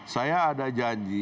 saya ada janji